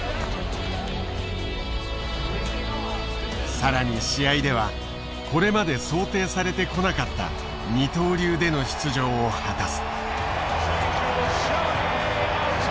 更に試合ではこれまで想定されてこなかった二刀流での出場を果たす。